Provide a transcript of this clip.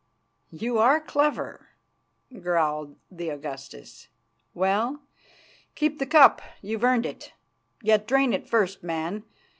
"You are clever," growled the Augustus. "Well, keep the cup; you've earned it. Yet drain it first, man.